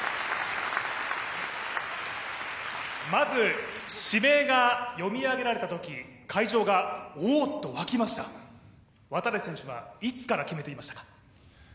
まず指名が読み上げられたとき会場が「おお！」と沸きました度会選手はいつから決めてましたか？